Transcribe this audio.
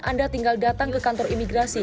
anda tinggal datang ke kantor imigrasi